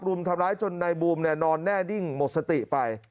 รุมทำร้ายจนในบูมเนี่ยนอนแน่ดิ้งหมดสติไป